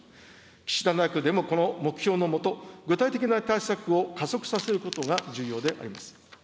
岸田内閣でもこの具体的な目標の下、具体的な対策を加速させることが重要であります。